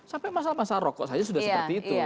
sampai masalah masalah rokok saja sudah seperti itu